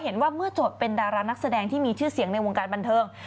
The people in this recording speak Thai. เห็นว่าเมื่อโจทย์เป็นดารานักแสดงที่มีชื่อเสียงในวงการบันเทิง